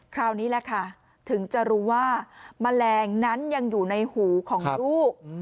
คราวนี้แหละค่ะถึงจะรู้ว่าแมลงนั้นยังอยู่ในหูของลูก